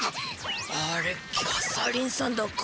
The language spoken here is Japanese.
あれキャサリンさんだか。